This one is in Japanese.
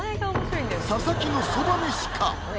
佐々木のそばめしか？